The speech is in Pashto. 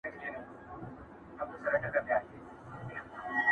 غازي د خپلي خور پوړني ته بازار لټوي،